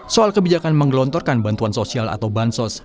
soal kebijakan menggelontorkan bantuan sosial atau bansos